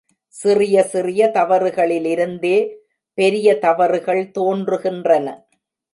சிறிய சிறிய தவறுகளிலிருந்தே பெரிய தவறுகள் தோன்றுகின்றன.